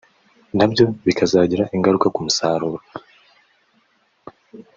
nabyo bikazagira ingaruka ku musaruro